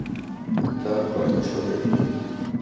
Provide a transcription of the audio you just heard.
তার কথা শোনেননি?